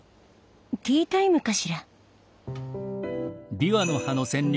ティータイムかしら？